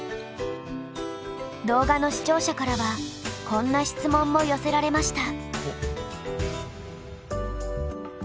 動画の視聴者からはこんな質問も寄せられました。